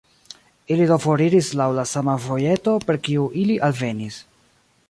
Ili do foriris laŭ la sama vojeto, per kiu ili alvenis.